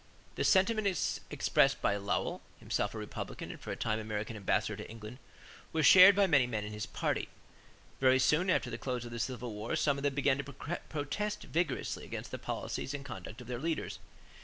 = The sentiments expressed by Lowell, himself a Republican and for a time American ambassador to England, were shared by many men in his party. Very soon after the close of the Civil War some of them began to protest vigorously against the policies and conduct of their leaders.